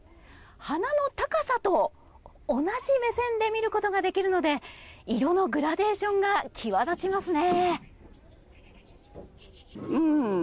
花の高さと同じ目線で見ることができるので色のグラデーションが際立ちますね。